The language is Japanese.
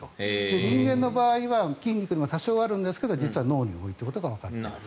人間の場合は筋肉にも多少あるんですが実は脳に多いということがわかった。